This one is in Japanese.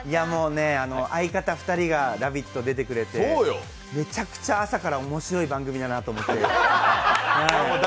もうね、相方２人が「ラヴィット！」に出てくれてめちゃくちゃ朝から面白い番組だなと思って。